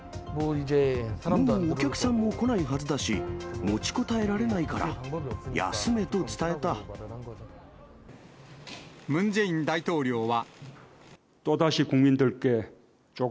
もうお客さんも来ないはずだし、持ちこたえられないから、ムン・ジェイン大統領は。